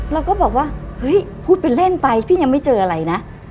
เราก็บอกว่าเฮ้ยพูดเป็นเล่นไปพี่ยังไม่เจออะไรนะ